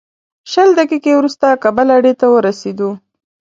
شل دقیقې وروسته کابل اډې ته ورسېدو.